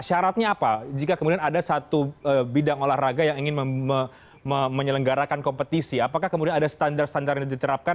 syaratnya apa jika kemudian ada satu bidang olahraga yang ingin menyelenggarakan kompetisi apakah kemudian ada standar standar yang diterapkan